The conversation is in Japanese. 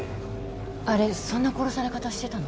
あれそんな殺され方してたの？